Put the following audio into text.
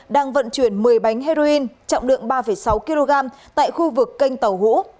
đang vận chuyển một mươi bánh heroin trọng lượng ba sáu kg tại khu vực kênh tàu hũ